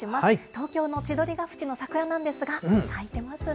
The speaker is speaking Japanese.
東京の千鳥ヶ淵の桜なんですが、咲いてますね。